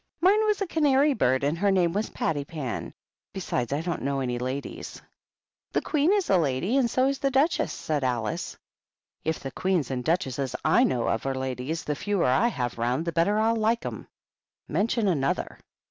Mine was a canary bird, and her name was Pattypan. Be sides, I don't know any ladies." 92 HUMPTY DUMPTY. " The Queen is a lady, and so is the Duchess/* said Alice. "If the Queens and Duchesses / know of are ladies, the fewer I have round the better I'll like 'em. Mention another.